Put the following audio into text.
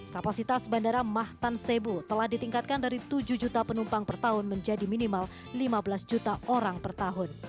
kapasitas bandara mahtan sebu telah ditingkatkan dari tujuh juta penumpang per tahun menjadi minimal lima belas juta orang per tahun